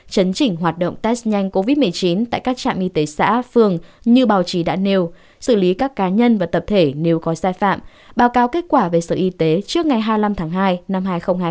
chấn chỉnh hoạt động test nhanh covid một mươi chín tại các trạm y tế xã phường như báo chí đã nêu xử lý các cá nhân và tập thể nếu có sai phạm báo cáo kết quả về sở y tế trước ngày hai mươi năm tháng hai năm hai nghìn hai mươi